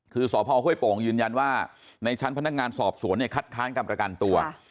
คือสพห้วยโป่งยืนยันว่าในชั้นพนักงานสอบสวนเนี่ยคัดค้านการประกันตัว